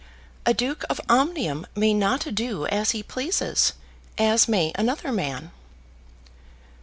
A Duke of Omnium may not do as he pleases, as may another man."